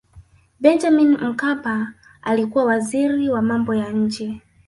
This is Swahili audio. benjamini mkapa alikuwa waziri wa mambo ya nje